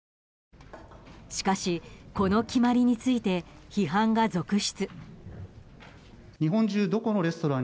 しかし、この決まりについて批判が続出。